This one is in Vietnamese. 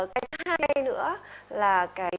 cái thứ hai nữa là cái